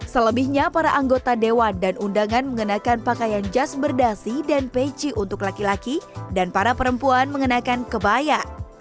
selebihnya para anggota dewan dan undangan mengenakan pakaian jas berdasi dan peci untuk laki laki dan para perempuan mengenakan kebaya